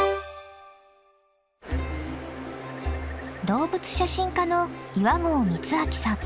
動物写真家の岩合光昭さん。